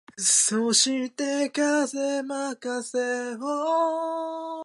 鳴かぬなら鳴くまで待とうホトトギス